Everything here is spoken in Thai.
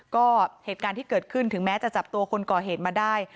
ก็เหตุการณ์ที่เกิดขึ้นถึงแม้จะจับตัวคนก่อเหตุมาได้